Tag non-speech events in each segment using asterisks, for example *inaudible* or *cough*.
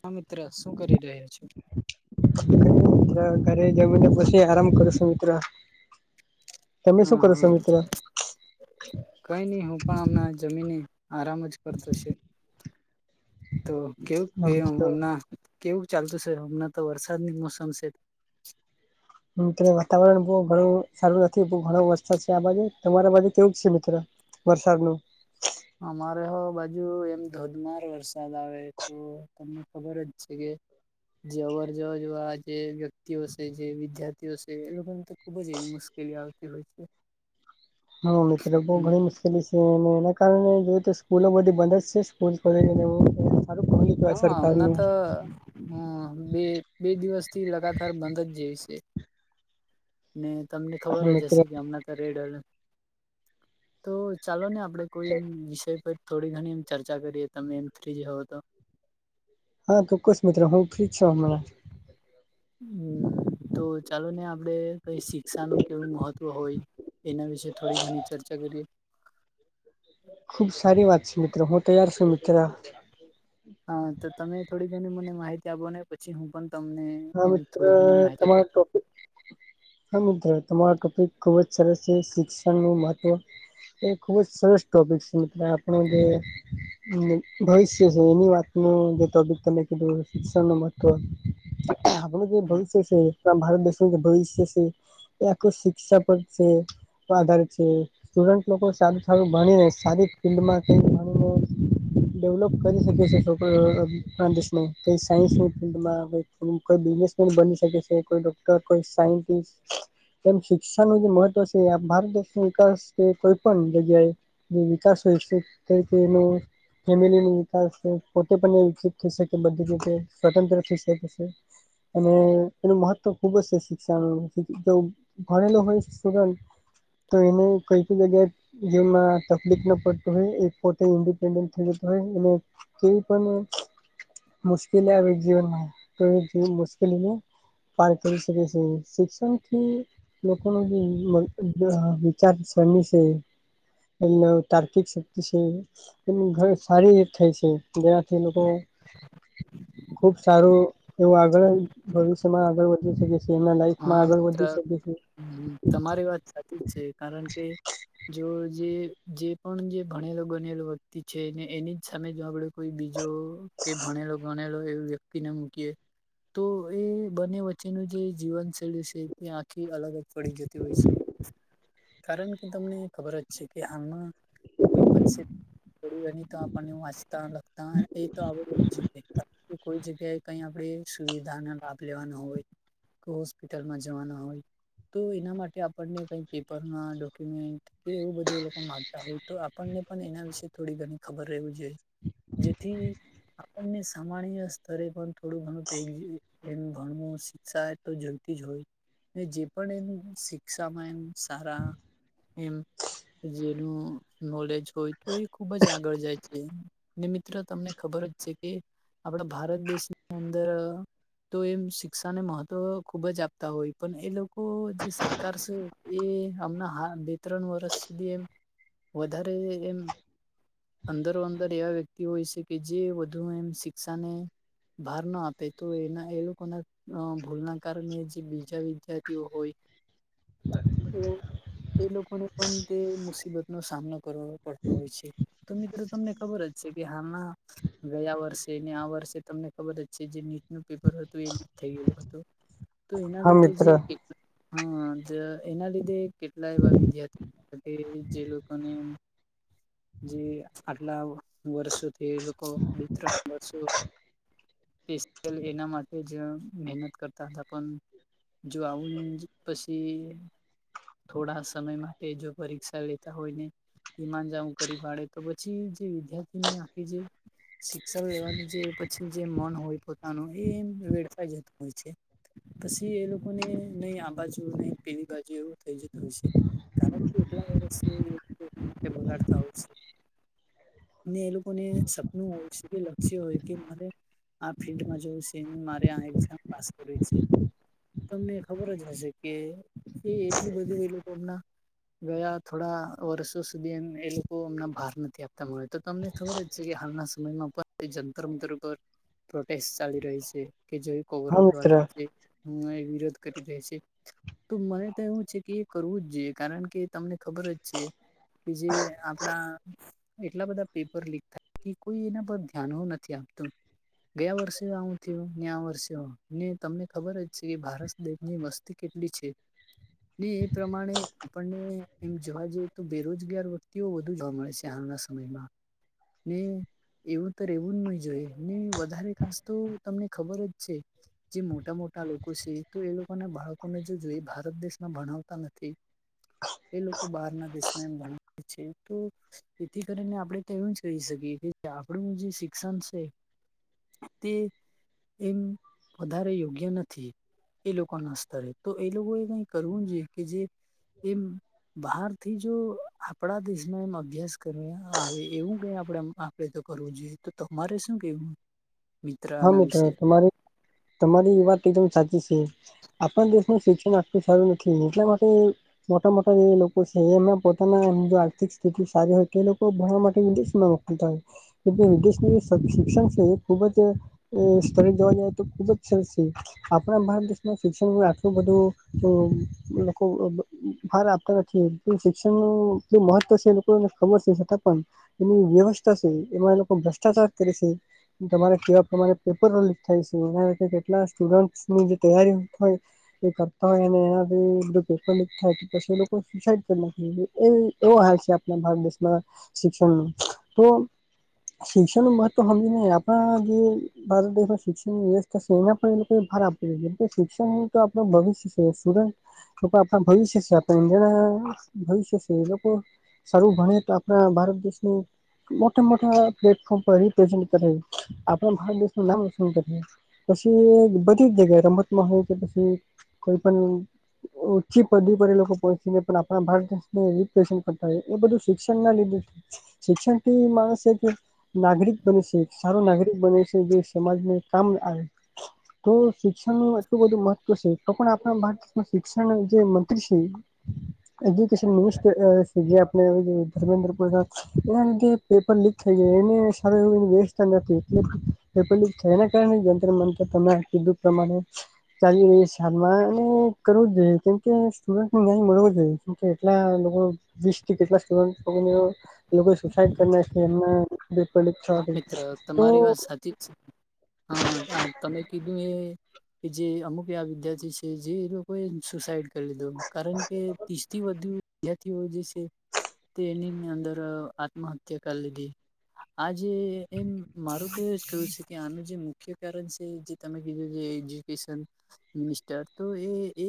હા મિત્ર શું કરી રહ્યા છો મિત્ર ઘરે જમીને પછી આરામ કરશુ મિત્રો હા હા મિત્ર? કઈ નહી હું પણ હમણા જમીને આરામ જ કરતો છે તો કેવું કે હમના કેવું ચાલતું છે હમણાં તો વરસાદ ની મોસમ છે મિત્રો વાતાવરણ બહુ ઘણું સારૂ નથી તો મારો વરસાદ છે આ બાજુ તમારા બાજુ કેવુંક છે મિત્રો વરસાદનુ અમારે હ બાજુ એમ ધોધમાર વરસાદ આવે તો તમને ખબર જ છે કે જે અવર જવર જેવા જે વ્યક્તિઓ છે જે વિદ્યાર્થીઓ છે એ લોકોને તો ખુબ જ એવુ કેવી આવતી હોય છે હાઉ મિત્રો બહુ ઘણી મુશ્કેલી છે તો એના કારણે જોતે સ્કૂલો બધી બંધ જ છે પુછપરેજી એવુ સારૂ કપી હા હમણાં તો હા બે બે દિવસથી લગાતાર બંધ જ જેવી છે ને તમને ખબર હા જ મિત્ર હશે કે હમણાં તો રેડ એલર્ટ. તો ચાલો ને આપડે કોઈ એમ વિષય પર થોડી ઘણી એમ ચર્ચા કરીએ તમે એમ થ્રી જ હોવ તો હા તો ચોક્કસ મિત્રો હું ફ્રી જ છું હમણાં તો ચાલો ને આપડે કઈ શિક્ષા નું કેવું મહત્વ હોય એના વિશેે થોડી ઘણી ચર્ચા કરીએ ખુબ સારી વાત છે મિત્રો હું તૈયાર છું મિત્ર હા તો તમે થોડી ઘણી મને માહિતી આપો પછી હું પણ તમને હા એમ મિત્ર થોડી ઘણી માહિતી આપી તમારા ટોપિક હા મિત્રો તમારો ટોપિક ખુબ જ સરસ છે શિક્ષણ નું મહત્વ એ ખુબ જ સરસ ટોપિક છે મિત્ર આપણુ જે ભવિષ્ય છે એની વાતનું જે ટોપીક તમે કીધું શિક્ષણનુ મહત્વ આપણુ જે ભવિષ્ય છે ભારત દેશનું જે ભવિષ્ય છે એ આખુ શિક્ષાક જ છે. તો આઘારિત છે સટુડન્ટલોકો સારું સારું ભણીને સારી ફિલડમાંથી *unintelligible* ડેવલોપ કરી શકે છે તો પણ *unintelligible* સાયન્સની ફિલ્ડમાં હોય. કોઈ બિઝનેસ પણ બની શકે છે કોઈ ડોક્ટર કોઈ સાયન્ટિસ્ટ. જેમ શિક્ષાણનું મહત્વ છે ભારત દેશની વિકાસકે કોઈ પણ જગ્યાએ જે વિકાસ હોય છે તે તેનો ફેમિલીનો વિકાસ પોતે પણ એ વિકસિત થશે કે બધી જ રીતે સ્વતંત્ર *unintelligible* છે અને એનું મહત્વ ખુબ જ છે શિક્ષણ જેવુ ભણેલો હોય છે *unintelligible* તો એને કઈ કઈ જગ્યાએ જે માં તકલીફ ના પડતો હોય એ પોતે ઇન્ડિપેન્ડન્સ થઈ જતો હોય એને કોઈ પણ મુશ્કેલી આવે જીવનમાં તો જે મુશ્કેલી હે પાર કરી શકે છે શિક્ષણ થી લોકો નો જે મન આ વિચાર શરણી છે. એમના તાર્કિક શક્તિ છે. એ ઘર સારી થાય છે જેનાથી લોકો ખુબ સારું એવું આગળ ભવિષ્યમાં આગળ વધી શકી જે જેમાં લાઈફમાં હા આગળ મિત્ર વધી શકે છે. તમારી વાત સાચી જ છે કારણ કે જો જે જે પણ જે ભણેલો ગણેલો વ્યક્તિ છે ને એની જ સામે જો આપડે કોઈ બીજો કે ભણેલો ગણેલો એવ વ્યક્તિ તી ને મૂકીએ તો એ બંને વચ્ચેનું જે જીવન શૈલી છે તે આખી અલગ જ પડી જતી હોય છે. કારણ કે તમને ખબર જ છે કે હાલમાં કોઈ પણ શી એ તો આપણને વાંચતા લખતા એ તો આવડુજ જોઈએ કારણ કે કોઈ જગ્યાએ કઈ આપણે સુવિધા ના લાભ લેવાનો હોય *unintelligible* હોસ્પિટલમાં જવાના હોય તો એના માટે આપણને કઈ પેપરના ડોક્યુમેન્ટ કે એવું બધું એ લોકો માંગતા હોય તો આપણને પણ એના વિશે થોડી ઘણી ખબર રહેવુ જોઈએ. જેથી આપણને સામાન્ય સ્તરે પણ થોડું ઘણું *unintelligible* એમ ઘણું શિક્ષા એ તો જોય જ હોય જે પણ એમ શિક્ષામાં એમ સારા એમ જેનું નોલેજ હોય તો એ ખુબ જ આગળ જાય છે. ને મિત્ર તમને ખબર જ છે કે આપણા ભારત દેશની અંદર તો એમ શિક્ષા ને મહત્વ ખુબ જ આપતા હોય પણ એ લોકો જે સરકાર છે એ આમના *unintelligible* ત્રણ વર્ષ સુધી એમ વધારે એમ અંદરો અંદર એવા વ્યક્તિ હોય છે કે જે વધુ એમ શિક્ષાને ભાર ના આપે તો એના એ લોકોના ભૂલ ના કારણે જે બીજા વિદ્યાર્થીઓ હોય. તો એ લોકોને પણ તે મુસીબત નો સામનો કરવો પડતો હોય છે તો મિત્રો તમને ખબર જ છે કે હાલમાં ગયા વર્ષે ને આ વર્ષે તમને ખબર જ છે જે નીટનું પેપર હતું એ લીક થઈ ગયું હતું. તો એના હા લીધે મિત્ર જે હ જ એના લીધે કેટલા એવા વિદ્યાર્થી કે જે લોકો ને જે આટલા વર્ષોથી એ લોકો બે ત્રણ વર્ષો *unintelligible* એના માટે જ મહેનત કર તત પણ જો આવું *unintelligible* પછી થોડા સમય માટે જો પરીક્ષા લેતા હોય ને માન જાવું કરી પાડે તો પછી જે વિદ્યાર્થીને આખી જે શિક્ષણ લેવાની જે પછી જે મન હોય પોતાનું એ એમ વેડફાઈજતું હોય છે. પછી એ લોકોને નહી આ બાજુ નહી પીલી બાજુ એવું થઈ જતું હોય છે. છે *unintelligible* એ લોકોને સપનું હોય લક્ષ્ય હોય કે મારે આ ફિલ્ડમાં જોવું છે મારે આ એઞઝામ પાસ કરવી છે તમને ખબર જ હશે કે એ એટલું બધું એ લોકો મના ગયા થોડા વર્ષો સુધી એ એ લોકો અમને ભાર નથી આપતા મળે તો અમને ખબર જ છે કે હાલના સમયમાં પણ જંતર મંતર ઉપર પ્રોટેસ્ટ ચાલી રહી છે કે જો હા કૌરવ મિત્ર એ વિરોધ કરી રે છે તો મને તો એવું છે કે એ કરવું જ જોઈએ કારણ કે તમને ખબર જ છે કે જે આપડા એટલા બધા પેપર લીક થાય કોઈ એના પર ધ્યાન નથી આપતું ગયા વર્ષે આવું થયું ને આ વર્ષે હો ને તમને ખબર જ છે કે ભારત દેશની વસ્તી કેટલી છે ને એ પ્રમાણે આપણને એમ જોવા જઈએ તો બેરોજગાર વ્યક્તિઓ વધુ જોવા મળે છે હાલ સમયમાં ને એવું તો રહેવું જ નહી જોઈએ ને વધારે ખાસ તો તમને ખબર જ છે જે મોટા મોટા લોકો છે તો એ લોકોને બાળકોને જો જોઈ ભારત દેશમાં ભણાવતા નથી એ લોકો બહારના દેશમાં એમ ભણાવે છે તો તેથી કરીને આપણેે ત્યા એવું જ કહી શકીએ કે આપણું જે શિક્ષણ છે તે એમ વધારે યોગ્ય નથી એ લોકોના સ્તરે તો એ લોકો એ કઈ કરવું જોઈએ કે જે એમ બહાર થી જો આપણા દેશમાં એમ અભ્યાસ કરવા આવે એવું કઈ આપણેે આપે તો કરવું જોઈએ તો તમારે શું કેવું મિત્ર હા આના મિત્રો વિશે? તમારી તમારી વાત એકદમ સાચી છે. આપણુ દેશનું શિક્ષણ આપું સારું નથી એટલા માટે મોટા મોટા જે લોકો છે એના પોતાના આર્થિક સ્થિતિ સારી હોય તે લોકો ભણવા માટેે વિદેશ માં ઇંગ્લિશનું જે સબ શિક્ષણ છે એ ખુબ જ સ્થળ જવા જાય તો ખુબ જ છે આપણા ભારત દેશમાં શિક્ષણમાં આટલું બધું લોકો અ ભાર આપતા નથી શિક્ષણ નુ કેટલું મહત્વ છે એ લોકોને ખબર છે છતાં પણ એની વ્યવસ્થા છે એમાં એ લોકો ભ્રષ્ટાચાર કરે છે તમારે તેવા પ્રમાણે પેપરો લીક થાય છે એના કેટલા સ્ટુડન્ટની જે તૈયારી હોય એ કરતા હોય અને એનાથી બધા પેપર લીક થાય પછી એ લોકો સુસાઈડ કરી નાખ એ એવો હાલ છે આપણા ભારત દેશમાં શિક્ષણ તો શિક્ષણ ના મત તો સમજી ન આપણા જે ભારત દેશમાં શિક્ષણની વ્યવસ્થા છે એના પણ એ લોકોએ ભાર આપતો છે એમ કે શિક્ષણ આપ નું ભવિષ્ય સ્ટુડન્ટ આપ ભવિષ્ય આપ જણા ભવિષ્ય એ લોકો સારું ભણે તો આપણા ભારત દેશનું મોટા મોટા પ્લાટફર્મ રિપ્રેઝેન્ટ કર આપ ભારત દેશનું નામ રોશન કરી પછી બધી જ જગ્યાએ રમતમાં હોય કે પછી કોઈ પણ ઓછી પદવી પર એ લોકો પહોંચીને પણ આપ ભારત દેશને રિપેરિઝટ કરતા હોય એ બધું શિક્ષણ ના લીધે શિક્ષણ થી માણસ કે નાગરિક બને છે સારો નાગરિક બને છે જે સમાજને કામ આવે તો શિક્ષણ નું એટલું બધું મહત્વ છે તો પણ આપણા ભારત દેશમાં શિક્ષણ જે મંત્રી છે *inaudible* એજુકેશન મિનીસટર આપ ધર્મેન્દ્ર પ્રસાદ એના લીધે પેપર લીક થઈ જાય એને સાર એવ વ્યસ્તા નથી એ પેપર થને કારણે જંત્રર મંત્રર તમે કીધું પ્રમાણે ચાલી રહી સારમાંને કરવો જ જોઈએ કેમકે સ્ટુડન્ટને ન્યાય મળવો જોઈએ કેટલા લોકો વીસથી કેટલા સ્ટુડટ લોકો એ લોકો સુસાઈડ કર ના હા એમ મિત્ર તમારી વાત સાચી જ હા તમે કીધું એ કે જે અમુક એવા વિદ્યાર્થી છે જે એ લોકો એ સુસાઈડ કરી લીધું કારણ કે ત્રીસ થી વધુ વિદ્યાર્થીઓ જે છે તે એનીની અંદર આત્મહત્યા કરી લીધી આ જે એમ મારું તો એ જ કવું છે કે આનું જે મુખ્ય કારણ છે જે તમે કીધું જે કિશન મિસ્ટર તો એ એ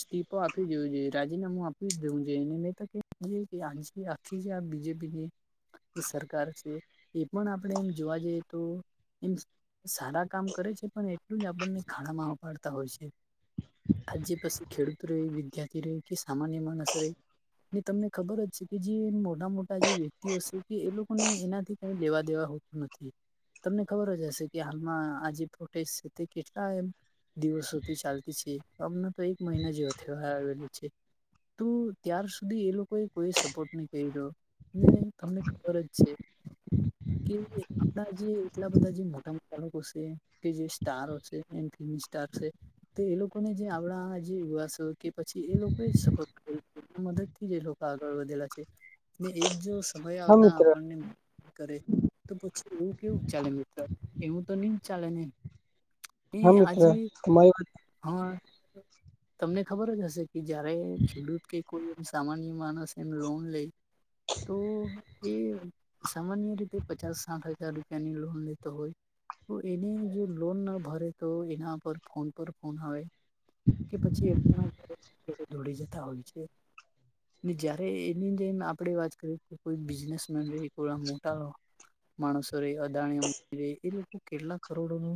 સ્તીફો આપી દવું છે રાજીનામું આપી દવું છેને મેં તો કે કે આ જે આ બીજેપી ની જે સરકાર એ પણ આપણેે એમ જોવા જઈએ તો એમ સારા કામ કરે છે પણ એટલું જ આપણને ખાણામાં ઉપાડતા હોય છે. આજે પાસે ખેડૂત ર રહે વિદ્યાર્થી ર રહે કે સામાન્ય માણસ ર રહે તમને ખબર જ છે કે જે મોટા મોટા જે વ્યક્તિઓ છે, કે એ લોકોને એનાથી કંઈ લેવા દેવા હોતું નથી. તમને ખબર જ હશે કે હાલમાં આ જે ફોટેજ છે, તે કેટલા એમ દિવસોથી ચાલતી છે અમને તો એક મહિના જેવા તહેવાાર આવેલોું છે. તું ત્યાર સુધી એ લોકોએ કોઈ સપોર્ટ નહી કરી્યો હ તમને ખબર જ છે. કે આપણા જે એટલા બધા જે મોટા મોટા લોકો છે. કે જે સ્ટાર છે એ સ્ટાર છે. તો એ લોકોને જે આપણા જે યુવાસ કે પછી, એ લોકો સપોર્ટ મદદ થી લોકો આગળ વધેલા છે એક જો સમય હા આવતા મિત્ર આપણને કરે તો પછી એવું કેવું ચાલે મિત્ર એવું તો નહી ચાલે નને એ હા મિત્ર આજે તમારી વાત હા તમને ખબર જ હશે કે જયારે ખેડૂત કે કોઈ એમ સામાન્ય માણસ એમ લોન લઈ તો એ સામાન્ય રીતે પચાસ સાઠ હજાર રૂપિયાની લોન લેતો હોય. તો એને જો લોન ના ભરે તો એના પર ફોન પર ફોન આવે કે પછી દોડી જતા હોય છે. જયારે એની અંદર આપણેે વાત કરીએ કે કોઈ બિઝનેસમેન હોય થોડા મોટા માણસો રે અદાણી અંબાણી રે એ લોકો કેટલા કરોડો નુ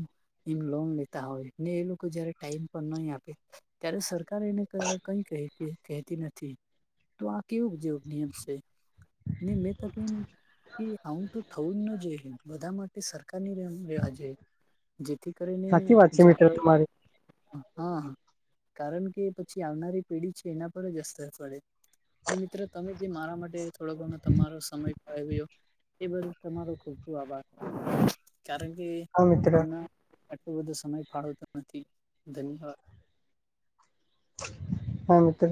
એમ લોન લેતા હોય ને એ લોકો જયારે ટાઈમ પર નહી આપે. ત્યારે સરકાર એને કઈ ક કહેતી નથી. તો આ કેવુંક જેવું નિયમ સે ને મેં તો કેમ કે આવું તો થવું જ ન જોઈ બધા માટે સરકારની રેવા જોઈએ. જેથી કરીને સાચી વાત છે જે મિત્ર આગળ તમારી હા હા કારણ કે પછી આવનારી પેઢી છે એના પર જ અસર પડે. ને મિત્રો તમે જે મારા માટે થોડો ઘણો તમારો સમય ફાળવ્યો એ બદલ તમારો ખૂબ ખૂબ આભાર કારણ કે હા મિત્ર હમણા તો બધો સમય ફાળવતો નથી ધન્યવાદ. હા મિત્ર.